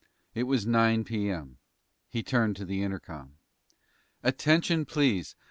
It was nine P.M. He turned to the intercom. "Attention, please!